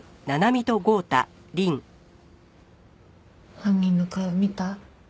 犯人の顔見た？